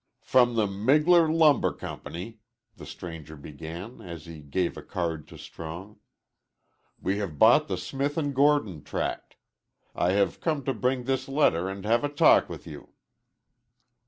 "From the Migley Lumber Company," the stranger began, as he gave a card to Strong. "We have bought the Smith & Gordon tract. I have come to bring this letter and have a talk with you."